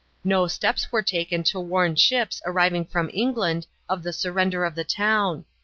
No steps were taken to warn ships arriving from England of the surrender of the town.